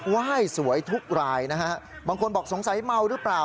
ไหว้สวยทุกรายนะฮะบางคนบอกสงสัยเมาหรือเปล่า